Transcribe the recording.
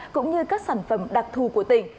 cũng như các sản phẩm đặc thù của tỉnh